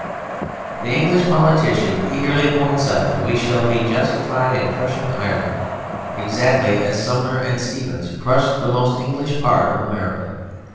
The English politicians eagerly point out that we shall be justified in crushing Ireland exactly as Sumner and Stevens crushed the most English part of America.